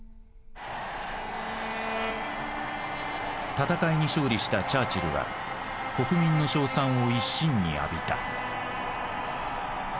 戦いに勝利したチャーチルは国民の称賛を一身に浴びた。